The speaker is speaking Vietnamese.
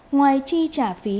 ngoài chi trả phí